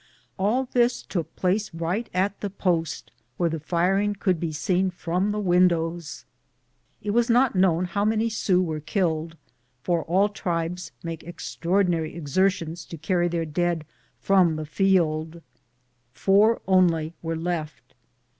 All this took place right at the post, where the firing could be seen from the win dows. It was not known how many Sioux were killed, for all tribes make extraordinary exertions to carry their dead from the field. Four only were left.